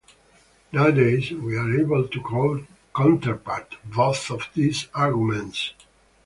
Nowadays we are able to counterpart both of these arguments.